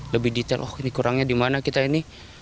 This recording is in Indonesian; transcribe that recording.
lebih detail oh ini kurangnya dimana kita ini